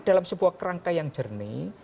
dalam sebuah kerangka yang jernih